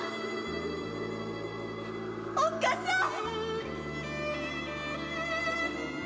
おっかさん！